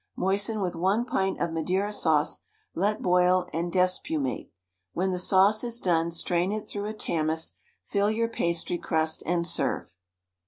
Moisten with one pint of Madeira sauce, let boil and despumate; when the sauce is done strain it through a tamis, fill your pastry crust and serve.